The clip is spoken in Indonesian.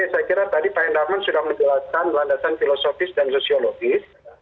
saya kira tadi pak hendarman sudah menjelaskan landasan filosofis dan sosiologis